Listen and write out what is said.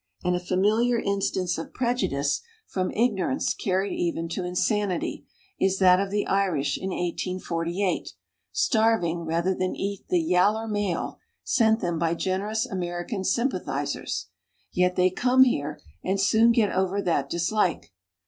And a familiar instance of prejudice from ignorance carried even to insanity, is that of the Irish in 1848, starving rather than eat the "yaller male," sent them by generous American sympathizers; yet they come here and soon get over that dislike.